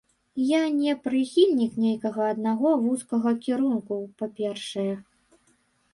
Я не прыхільнік нейкага аднаго вузкага кірунку, па-першае.